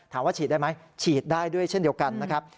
ถามว่าฉีดได้ไหมฉีดได้ด้วยเช่นเดียวกันนะครับ